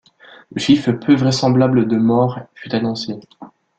Le chiffre peu vraisemblable de morts fut avancé.